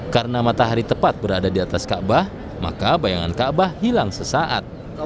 karena matahari tepat berada di atas ka bah maka bayangan ka bah hilang sesaat